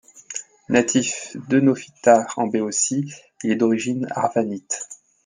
Natif d'Œnophyta en Béotie, il est d'origine arvanite.